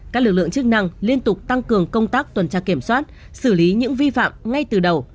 các lực lượng chức năng liên tục tăng cường công tác tuần tra kiểm soát xử lý những vi phạm ngay từ đầu